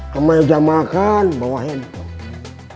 ke meja makan bawa handphone